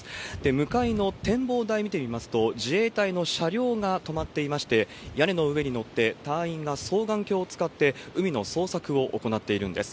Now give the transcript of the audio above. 向かいの展望台見てみますと、自衛隊の車両が止まっていまして、屋根の上に乗って、隊員が双眼鏡を使って、海の捜索を行っているんです。